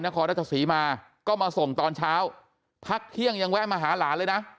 นครราชสีมาก็มาส่งตอนเช้าพักเที่ยงยังแวะมาหาหลานเลยนะ